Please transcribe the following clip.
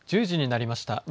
１０時になりました。